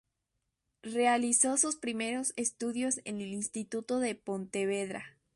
Realizó sus primeros estudios en el Instituto de Pontevedra.